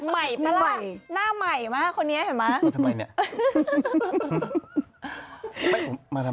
ใหม่ปะล่ะหน้าใหม่มากคนนี้เห็นไหม